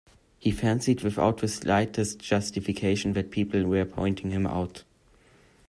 He fancied without the slightest justification that people were pointing him out.